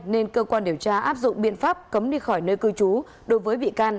nên cơ quan điều tra áp dụng biện pháp cấm đi khỏi nơi cư trú đối với bị can